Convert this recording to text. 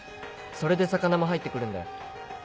それで魚も入って来るんだよ。